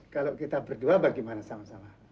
kalau kita berdua bagaimana sama sama